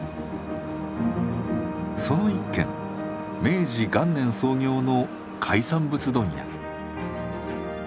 その一軒明治元年創業の海産物問屋。